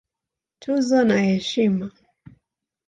Tuzo na Heshima